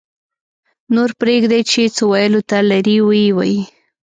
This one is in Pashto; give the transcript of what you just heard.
-نور پرېږدئ چې څه ویلو ته لري ویې وایي